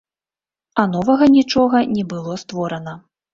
А новага нічога не было створана.